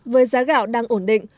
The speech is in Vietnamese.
với giá gạo đang ổn định